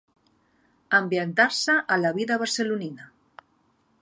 Ambientar-se a la vida barcelonina.